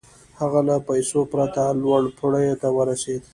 هغه له پيسو پرته لوړو پوړيو ته ورسېد.